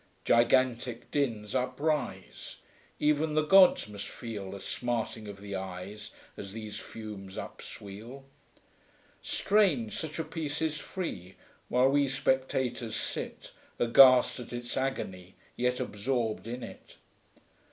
Gigantic dins uprise! Even the gods must feel A smarting of the eyes As these fumes upsweal. Strange, such a Piece is free, While we Spectators sit Aghast at its agony, Yet absorbed in it.